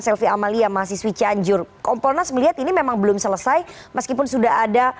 selfie amalia masih switch anjur komponen melihat ini memang belum selesai meskipun sudah ada